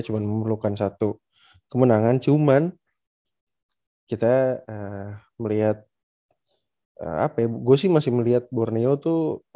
cuma memerlukan satu kemenangan cuman kita melihat apa ya gue sih masih melihat borneo tuh